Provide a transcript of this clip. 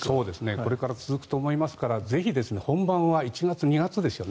これから続くと思いますから本番は１月、２月ですよね。